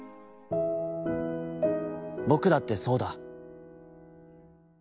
僕だってさうだ』。